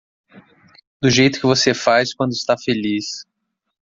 Do jeito que você faz quando está feliz.